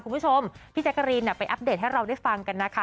คุณผู้ชมพี่แจ๊กกะรีนไปอัปเดตให้เราได้ฟังกันนะคะ